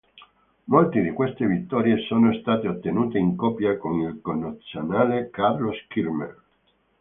Molte di queste vittorie sono state ottenute in coppia con il connazionale Carlos Kirmayr.